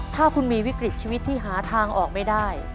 ถ้าคุณมีวิกฤตชีวิตที่หาทางออกไม่ได้